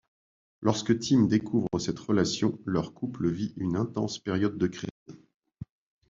Lorsque Tim découvre cette relation, leur couple vit une intense période de crise.